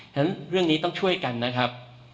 ฉะนั้นเรื่องนี้ต้องช่วยกันนะครับ